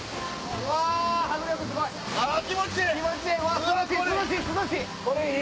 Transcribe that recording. うわすごい！